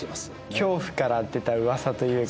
恐怖から出たうわさというか。